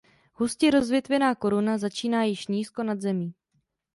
Hustě rozvětvená koruna začíná již nízko nad zemí.